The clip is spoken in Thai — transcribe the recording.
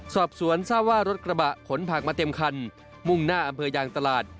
สอบสวนทราบว่ารถกระบะขนผักมาเต็มคันมุ่งหน้าอำเภอยางตลาด